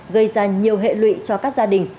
gây ra nhiều hệ lụy cho các gia đình